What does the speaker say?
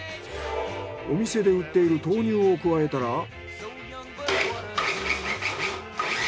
お店で売っている豆乳を加えたら。